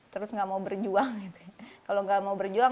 terus gak mau berjuang gitu ya